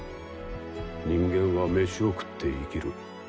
人間は飯を食って生きる。